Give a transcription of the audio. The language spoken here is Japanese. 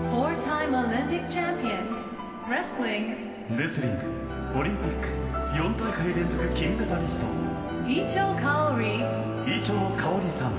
レスリングオリンピック４大会連続金メダリスト伊調馨さん。